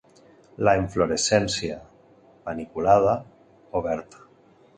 La inflorescència paniculada; oberta.